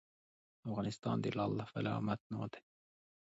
افغانستان د لعل له پلوه متنوع دی.